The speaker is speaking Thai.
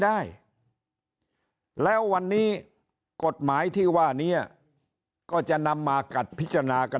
ได้แล้ววันนี้กฎหมายที่ว่านี้ก็จะนำมากัดพิจารณากัน